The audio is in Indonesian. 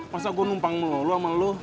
masa gue numpang melulu sama lo